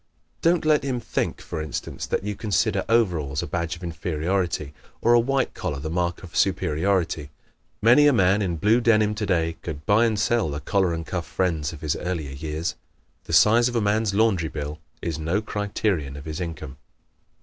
Don't let him think, for instance, that you consider overalls a badge of inferiority, or a white collar the mark of superiority. Many a man in blue denim today could buy and sell the collar and cuff friends of his earlier years. The size of a man's laundry bill is no criterion of his income.